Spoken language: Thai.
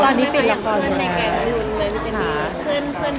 เพื่อนที่ปิดละครอยู่แน่